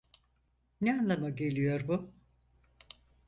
Ne anlama geliyor bu?